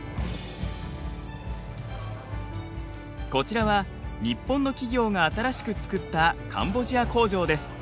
こちらは日本の企業が新しく作ったカンボジア工場です。